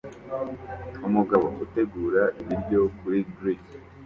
Umugabo utegura ibiryo kuri grill